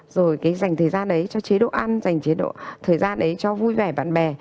rồi cái dành thời gian ấy cho chế độ ăn dành thời gian ấy cho vui vẻ bạn bè